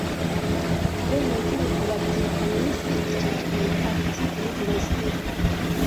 Abenegihugu babyita Misi icyo twita iki gihugu Misiri